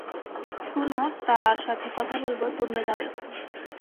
শোন, তার সাথে কথা বলব, তোমরা যাও এখন।